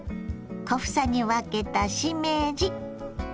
小房に分けたしめじ。